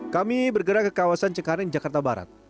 kami bergerak ke kawasan cengkareng jakarta barat